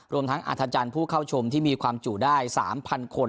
รวมทั้งอัธจันทร์ผู้เข้าชมที่มีความจุได้๓๐๐คน